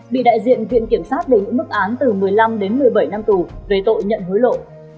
bị đại diện viện kiểm sát đề nghị mức án từ một mươi năm đến một mươi bảy năm tù về tội nhận hối lộ